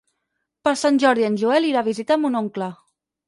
Per Sant Jordi en Joel irà a visitar mon oncle.